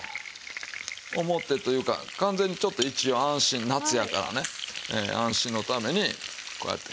表というか完全にちょっと一応安心夏やからね安心のためにこうやって。